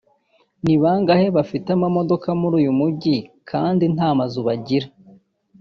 “Ni bangahe bafite amamodoka muri uyu Mujyi kandi nta mazu bagira